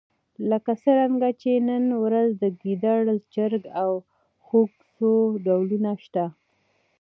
لکه څرنګه چې نن ورځ د ګېدړې، چرګ او خوګ څو ډولونه شته.